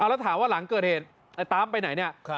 อ้าละถามว่าหลังเกิดเหตุไอต๊าปไปไหนเนี้ยค่ะ